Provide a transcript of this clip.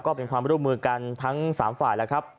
ก็เป็นความร่วมมือกันทั้ง๓ฝ่ายแล้วครับ